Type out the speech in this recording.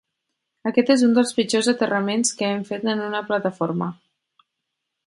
Aquest és un dels pitjors aterraments que hem fet en una plataforma.